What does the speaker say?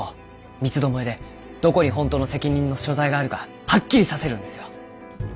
三つどもえでどこに本当の責任の所在があるかはっきりさせるんですよ。